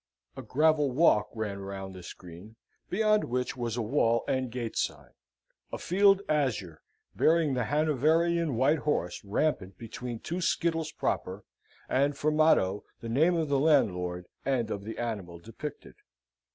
A gravel walk ran around this green, beyond which was a wall and gate sign a field azure, bearing the Hanoverian White Horse rampant between two skittles proper, and for motto the name of the landlord and of the animal depicted.